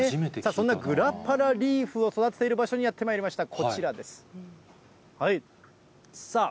そんなグラパラリーフを育てている場所にやってまいりました。